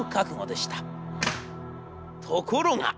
ところが！